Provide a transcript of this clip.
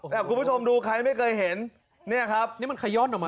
แต่คุณผู้ชมดูใครไม่เคยเห็นเนี่ยครับนี่มันขย่อนออกมา